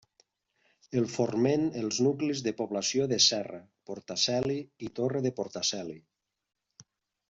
El forment els nuclis de població de Serra, Portaceli i Torre de Portaceli.